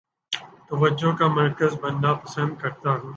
توجہ کا مرکز بننا پسند کرتا ہوں